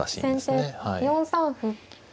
先手４三歩。